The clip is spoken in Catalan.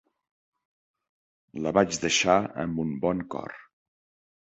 La vaig deixar amb un bon cor.